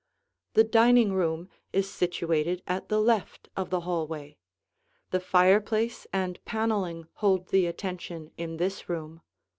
The dining room is situated at the left of the hallway. The fireplace and paneling hold the attention in this room.